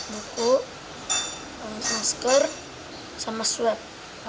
buku masker sama swab